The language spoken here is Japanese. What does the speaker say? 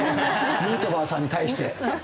ヌートバーさんに対して。